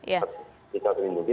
masih bisa terlindungi